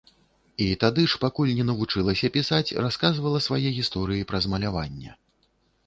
І тады ж, пакуль не навучылася пісаць, расказвала свае гісторыі праз маляванне.